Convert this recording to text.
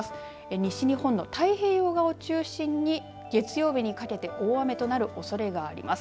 西日本の太平洋側を中心に月曜日にかけて大雨となるおそれがあります。